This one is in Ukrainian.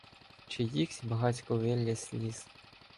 Чиїхсь багацько виллє сліз.